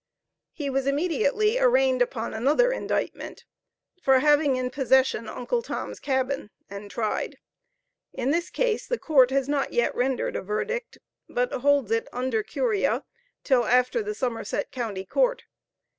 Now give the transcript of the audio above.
He was immediately arraigned upon another indictment, for having in possession "Uncle Tom's Cabin," and tried; in this case the court has not yet rendered a verdict, but holds it under curia till after the Somerset county court.